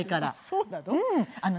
そうなの？